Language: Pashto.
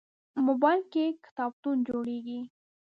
موبایل کې کتابتون جوړېږي.